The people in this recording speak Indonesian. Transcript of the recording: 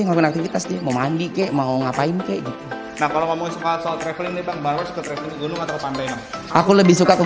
ngobrol aktivitas di mandi kek mau ngapain kek nah kalau mau suka traveling aku lebih suka ke